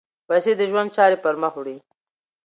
پیسې د ژوند چارې پر مخ وړي.